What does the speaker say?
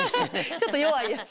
ちょっとよわいやつ。